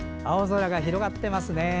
青空が広がってますね。